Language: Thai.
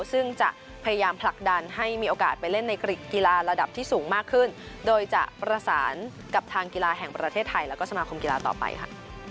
ซึ่งจะพยายามผลักดันให้มีโอกาสไปเล่นในกริกกีฬาระดับที่สูงมากขึ้นโดยจะประสานกับทางกีฬาแห่งประเทศไทยแล้วก็สมาคมกีฬาต่อไปค่ะ